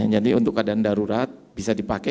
jadi untuk keadaan darurat bisa dipakai